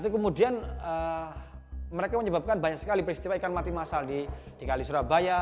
kemudian mereka menyebabkan banyak sekali peristiwa ikan mati masal di kali surabaya